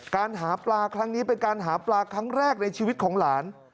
หาปลาครั้งนี้เป็นการหาปลาครั้งแรกในชีวิตของหลาน